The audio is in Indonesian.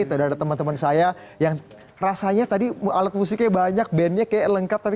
tidak ada teman teman saya yang rasanya tadi alat musiknya banyak bandnya kayak lengkap tapi